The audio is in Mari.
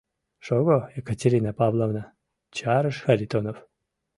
— Шого, Екатерина Павловна, — чарыш Харитонов.